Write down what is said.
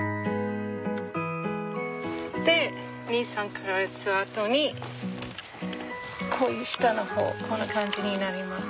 で２３か月あとにこういう下の方こんな感じになります。